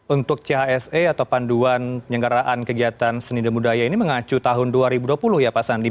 untuk chse atau panduan penyelenggaraan kegiatan seni dan budaya ini mengacu tahun dua ribu dua puluh ya pak sandi